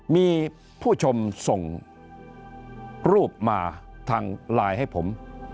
มีผู้ชมส่งรูปมาทางไลน์ให้ผม